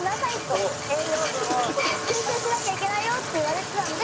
栄養分を吸収しなきゃいけないよって言われてたので。